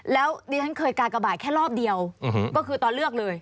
แล้วดิฉันเคยกากบาทแค่รอบเดียวก็คือตอนเลือกเลย